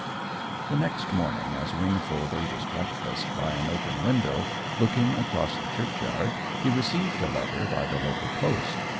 The next morning, as Wingfold ate his breakfast by an open window looking across the churchyard, he received a letter by the local post.